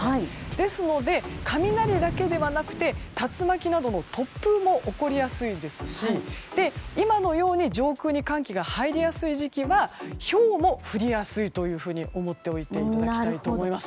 ですので、雷だけではなくて竜巻などの突風も起こりやすいですし今のように上空に寒気が入りやすい時期はひょうも降りやすいと思っておいていただきたいと思います。